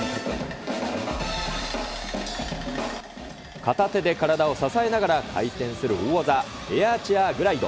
片手で体を支えながら回転する大技、エアーチェアーグライド。